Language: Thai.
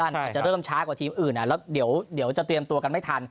อาจจะเริ่มช้ากว่าทีมอื่นแล้วเดี๋ยวจะเตรียมตัวกันไม่ทัน